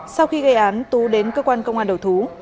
sau khi gây án tú đến cơ quan công an đầu thú